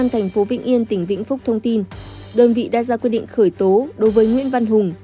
tỉnh vĩnh phúc thông tin đơn vị đa gia quyết định khởi tố đối với nguyễn văn hùng